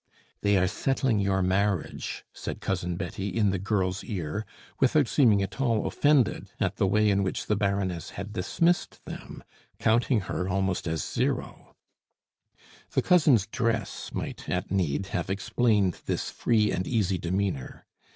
"They are settling your marriage," said Cousin Betty in the girl's ear, without seeming at all offended at the way in which the Baroness had dismissed them, counting her almost as zero. The cousin's dress might, at need, have explained this free and easy demeanor.